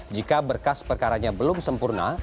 jika berkas perkaranya belum sempurna